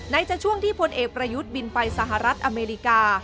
จะช่วงที่พลเอกประยุทธ์บินไปสหรัฐอเมริกา